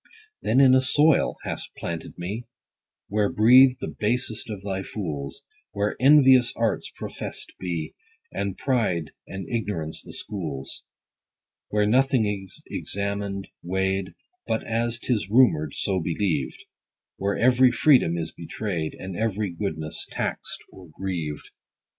Then in a soil hast planted me, Where breathe the basest of thy fools, Where envious arts professed be, And pride and ignorance the schools : Where nothing is examin'd, weigh'd, But as 'tis rumour'd, so believed ; 50 Where every freedom is betray'd, And every goodness tax'd or grieved.